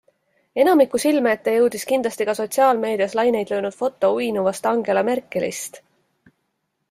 Enamiku silme ette jõudis kindlasti ka sotsiaalmeedias laineid löönud foto uinuvast Angela Merkelist.